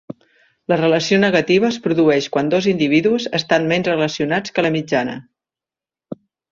La relació negativa es produeix quan dos individus estan menys relacionats que la mitjana.